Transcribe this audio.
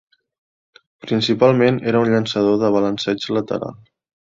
Principalment era un llançador de balanceig lateral.